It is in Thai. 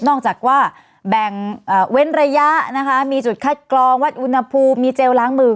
จากว่าแบ่งเว้นระยะนะคะมีจุดคัดกรองวัดอุณหภูมิมีเจลล้างมือ